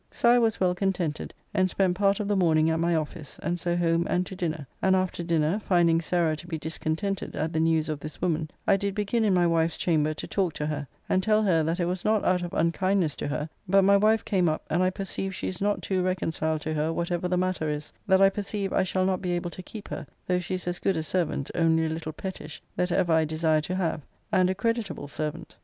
So I was well contented and spent part of the morning at my office, and so home and to dinner, and after dinner, finding Sarah to be discontented at the news of this woman, I did begin in my wife's chamber to talk to her and tell her that it was not out of unkindness to her, but my wife came up, and I perceive she is not too reconciled to her whatever the matter is, that I perceive I shall not be able to keep her, though she is as good a servant (only a little pettish) that ever I desire to have, and a creditable servant.